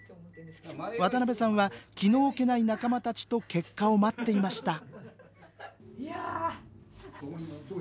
渡邉さんは気の置けない仲間たちと結果を待っていました